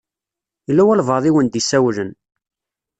Yella walebɛaḍ i wen-d-isawlen.